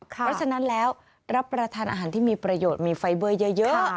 เพราะฉะนั้นแล้วรับประทานอาหารที่มีประโยชน์มีไฟเบอร์เยอะ